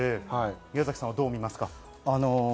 宮崎さんはどう見ますか？